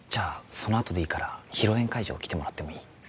そのあとでいいから披露宴会場来てもらってもいい？